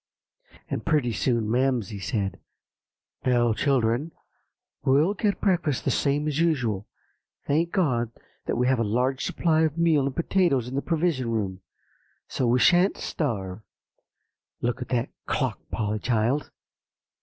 "And pretty soon Mamsie said, 'Now, children, we'll get breakfast the same as usual. Thank God that we have got a large supply of meal and potatoes in the Provision Room, so we sha'n't starve. Look at the clock, Polly, child.